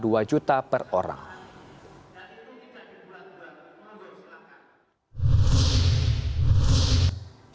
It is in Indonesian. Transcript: syarat menerima bantuan tunai